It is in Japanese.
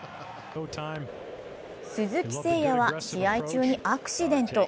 鈴木誠也は試合中にアクシデント。